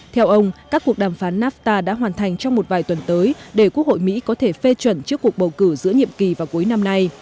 theo ông các cuộc đàm phán nafta đã hoàn thành trong một vài tuần tới để quốc hội mỹ có thể phê chuẩn trước cuộc bầu cử giữa nhiệm kỳ vào cuối năm nay